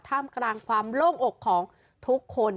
มกลางความโล่งอกของทุกคน